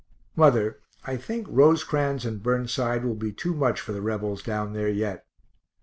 Mother, I think Rosecrans and Burnside will be too much for the Rebels down there yet.